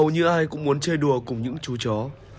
hầu như ai cũng muốn chơi đùa cùng những chú chó